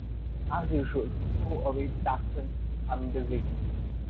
As usual, 'Go away, Jaxon, I'm busy!'